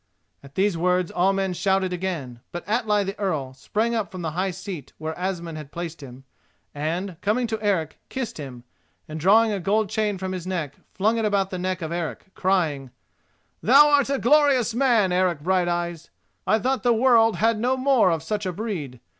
At these words all men shouted again; but Atli the Earl sprang from the high seat where Asmund had placed him, and, coming to Eric, kissed him, and, drawing a gold chain from his neck, flung it about the neck of Eric, crying: "Thou art a glorious man, Eric Brighteyes. I thought the world had no more of such a breed.